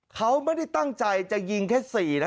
เขาไม่ได้ตั้งใจจะยิงแค่๔นะ